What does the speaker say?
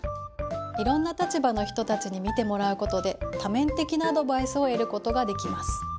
いろんな立場の人たちに見てもらうことで多面的なアドバイスを得ることができます。